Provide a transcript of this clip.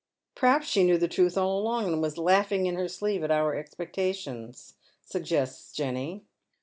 " Perhaps she knew the truth all along, and was laughing in her sleeve at our expectations," suggests Jenny.